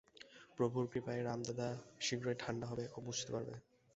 প্রভুর কৃপায় রামদাদা শীঘ্রই ঠাণ্ডা হবে ও বুঝতে পারবে।